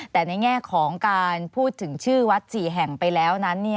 แต่ในแง่ของการพูดถึงชื่อวัด๔แห่งไปแล้วนั้น